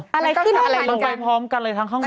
มันไปพร้อมกันเลยทั้งข้างบน